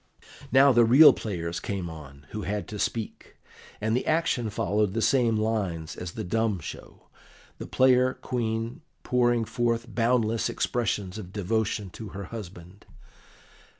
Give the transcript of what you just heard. Now the real players came on, who had to speak, and the action followed the same lines as the dumb show, the player Queen pouring forth boundless expressions of devotion to her husband.